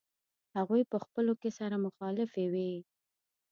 هغوی په خپلو کې سره مخالفې وې.